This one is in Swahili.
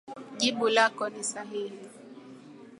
Jibu lako ni sahihi.